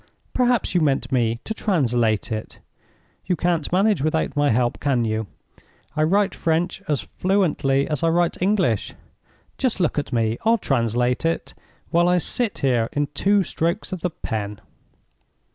Perhaps you meant me to translate it? You can't manage without my help, can you? I write French as fluently as I write English. Just look at me! I'll translate it, while I sit here, in two strokes of the pen."